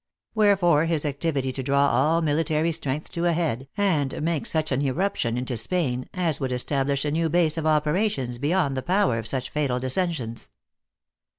Wherefore his activity to draw all military strength to a head, and make such an irruption into Spain, as would establish a new base of operations beyond the power of such fatal dissensions."